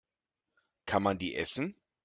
Kann man die essen?